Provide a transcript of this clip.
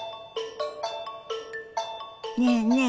ねえねえ